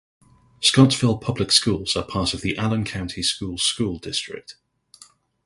Scottsville Public Schools are part of the Allen County Schools School District.